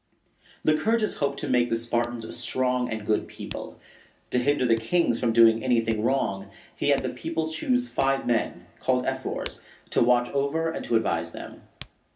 Lycurgus hoped to make the Spartans a strong and good people. To hinder the kings from doing anything wrong, he had the people choose five men, called ephors, to watch over and to advise them.